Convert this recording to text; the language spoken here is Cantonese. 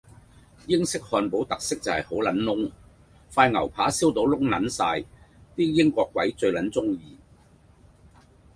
英式漢堡包特色就係好撚燶，塊牛扒燒到燶撚晒啲英國鬼最撚鍾意